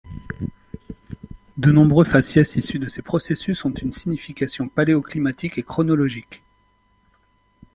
De nombreux faciès issus de ces processus ont une signification paléoclimatique et chronologique.